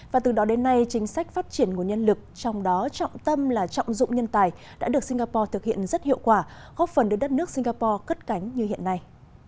và từ đó đến nay chính sách phát triển nguồn nhân lực trong đó trọng tâm là trọng dụng nhân tài đã được singapore thực hiện rất hiệu quả góp phần đưa đất nước singapore cất cánh như hiện nay